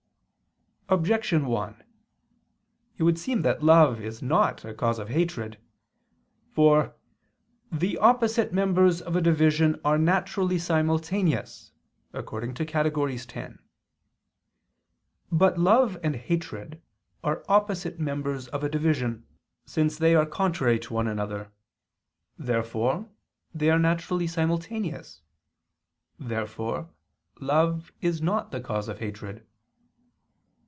Objection 1: It would seem that love is not a cause of hatred. For "the opposite members of a division are naturally simultaneous" (Praedic. x). But love and hatred are opposite members of a division, since they are contrary to one another. Therefore they are naturally simultaneous. Therefore love is not the cause of hatred.